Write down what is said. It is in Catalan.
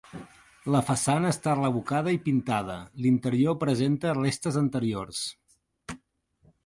La façana està revocada i pintada, l'interior presenta restes anteriors.